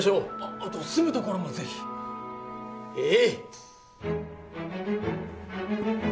あと住むところもぜひええ